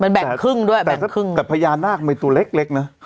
มันแบ่งครึ่งด้วยแบ่งสักครึ่งแต่พญานาคมีตัวเล็กเล็กนะ